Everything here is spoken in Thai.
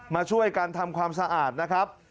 มาช่วยกันทำความสะอาดนะครับ